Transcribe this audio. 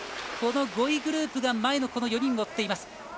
５位グループが前の４人を追います。